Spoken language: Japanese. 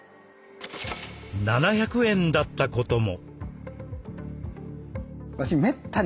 ７００円だったことも。